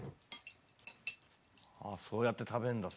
そうやって食べるんだ。